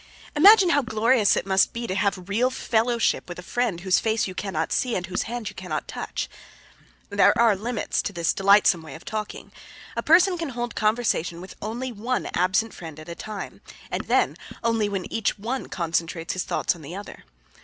Imagine how glorious it must be to have real fellowship with a friend whose face you cannot see and whose hand you cannot touch. There are limitations to this delightsome way of talking. A person can hold conversation with only one absent friend at a time and then only when each one concentrates his thoughts on the other.